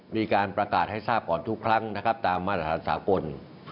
มีการประกาศให้ทราบก่อนทุกครั้งนะครับตามมาตรฐานสากล